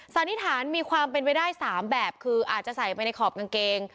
สันนิษฐานมีความเป็นไปได้๓แบบคืออาจจะใส่ไปในขอบกางเกง